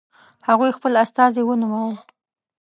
هغوی خپل استازي ونومول.